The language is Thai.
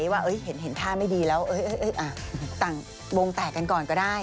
ว่าเห็นท่าไม่ดีแล้วต่างวงแตกกันก่อนก็ได้